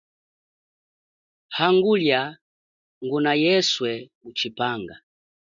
Hangulia nguna yeswe mutshipanga.